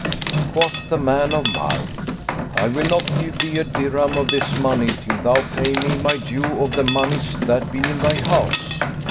Quoth the man of Marw, " I will not give thee a dirham of this money, till thou pay me my due of the moneys that be in thy house."